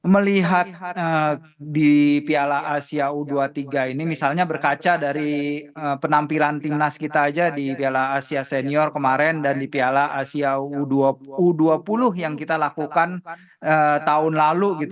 melihat di piala asia u dua puluh tiga ini misalnya berkaca dari penampilan timnas kita aja di piala asia senior kemarin dan di piala asia u dua puluh yang kita lakukan tahun lalu